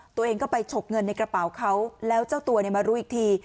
ตัวเองก็ไปฉกเงินในกระเป๋าเขาแล้วเจ้าตัวมารู้อีกที